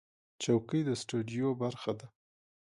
چوکۍ د سټوډیو برخه ده.